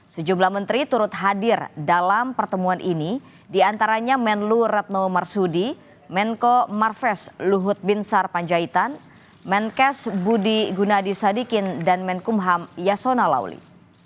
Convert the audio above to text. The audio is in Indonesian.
sejumlah menteri turut hadir dalam pertemuan ini diantaranya menlu retno marsudi menko marves luhut binsar panjaitan menkes budi gunadi sadikin dan menkumham yasona lauli